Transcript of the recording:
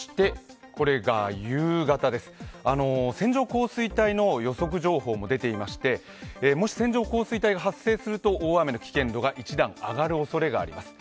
夕方です、線状降水帯の予測情報も出ていまして、もし線状降水帯が発生すると大雨の危険度が一段上がるおそれがあります。